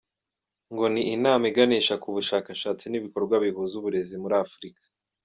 Ngo ni inama iganisha ku bushakashatsi n’ibikorwa bihuza uburezi muri Afurika.